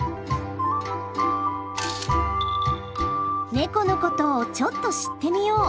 ネコのことをちょっと知ってみよう。